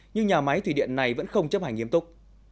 nhưng nhà máy thủy điện này vẫn không chấp hành nghiêm túc